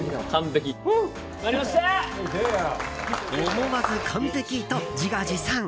思わず完璧！と自画自賛。